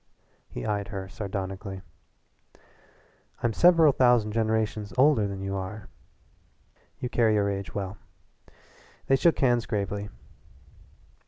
He eyed her sardonically. "I'm several thousand generations older than you are." "You carry your age well." They shook hands gravely.